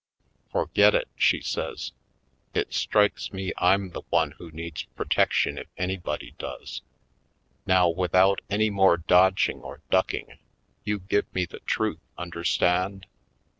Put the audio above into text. "Forget it!" she says. "It strikes me I'm the one who needs protection if anybody does. Now, without any more dodging or ducking you give me the truth, understand?